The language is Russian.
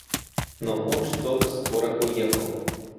Но он что-то скоро уехал.